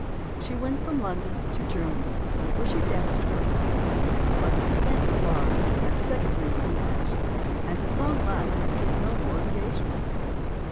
She went from London to Germany, where she danced for a time, to but scant applause, at second rate theaters, and at last could get no more engage ments.